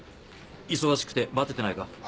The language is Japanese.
忙しくてバテてないか？